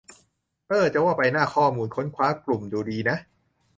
เอ้อ จะว่าไป หน้าข้อมูลค้นคว้ากลุ่มดูดีนะ